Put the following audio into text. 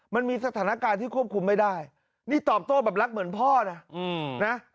มันมีสถานการณ์ที่ควบคุมไม่ได้นี่ตอบโต้แบบรักเหมือนพ่อนะ